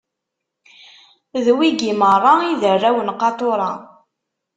D wigi meṛṛa i d arraw n Qatura.